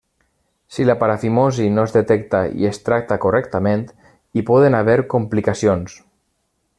Si la parafimosi no es detecta i es tracta correctament hi poden haver complicacions.